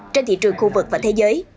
trên thị trường khu vực và thế giới